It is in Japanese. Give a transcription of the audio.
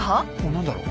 何だろう？